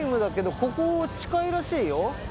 ここ近いらしいよ。